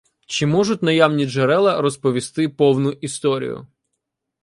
Чи можуть наявні джерела розповісти повну історію?